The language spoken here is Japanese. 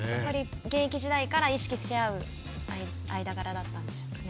現役時代から意識しあう間柄だったんでしょうかね。